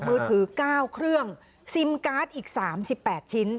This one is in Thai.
มือถือ๙เครื่องซิมการ์ดอีก๓๘ชิ้น